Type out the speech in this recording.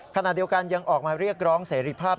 ขณะเดียวกันยังออกมาเรียกร้องเสรีภาพ